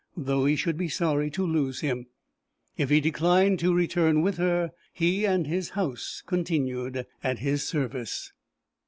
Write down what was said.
though he should be sorry to lose him. If he declined to return with her, he and his house continued at his service.